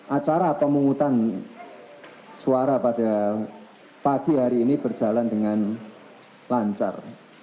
acara pemungutan suara pada pagi hari ini berjalan dengan lancar